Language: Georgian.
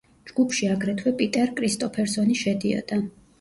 ჯგუფში აგრეთვე პიტერ კრისტოფერსონი შედიოდა.